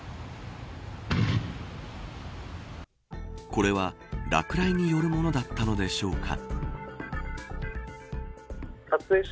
これは落雷によるものだったのでしょうか。